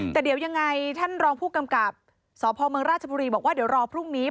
แต่เดี๋ยวยังไงท่านรองผู้กำกับสพเมืองราชบุรีบอกว่าเดี๋ยวรอพรุ่งนี้